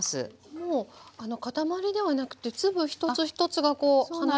もう塊ではなくて粒一つ一つがこう離れるくらい。